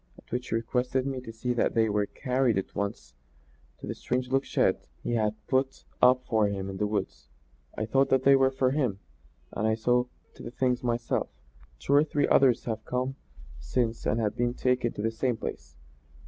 At which he requested me to see that they were carried at once to the strange looking shed he had had put up for him in the woods. I thought that they were for him, and I saw to the thing myself. Two or three others have come since and been taken to the same place.